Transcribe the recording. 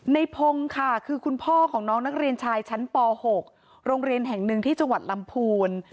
ในพงศ์ค่ะคือคุณพ่อของน้องนักเรียนชายชั้นป๖โรงเรียนแห่งหนึ่งที่จังหวัดลำพูน